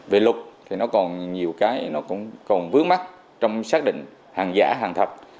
về lục thì nó còn nhiều cái nó còn vướng mắt trong xác định hàng giả hàng thật